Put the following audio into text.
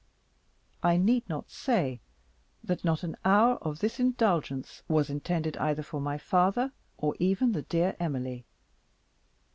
I need not say that not an hour of this indulgence was intended either for my father or even the dear Emily.